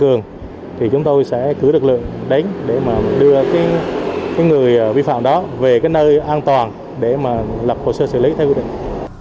thường thì chúng tôi sẽ cứ lực lượng đánh để đưa người vi phạm đó về nơi an toàn để lập hồ sơ xử lý theo quy định